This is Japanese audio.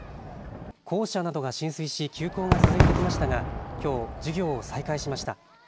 校舎などが浸水し休校が続いてきましたがきょう授業を再開しました。